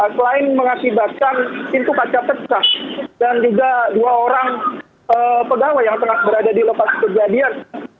selain mengakibatkan pintu kaca pecah dan juga dua orang pegawai yang tengah berada di lokasi kejadian